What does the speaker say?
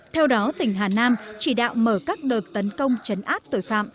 theo đó tỉnh hà nam chỉ đạo mở các đợt tấn công chấn áp tội phạm